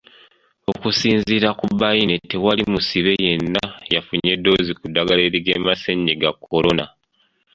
Okusinziira ku Baine tewali musibe yenna yafunye ddoozi ku ddagala erigema Ssennyiga Corona.